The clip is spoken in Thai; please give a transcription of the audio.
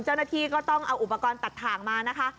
เจ้าหน้าที่ก็ต้องเอาอุปกรณ์ตัดถ่างมานะคะ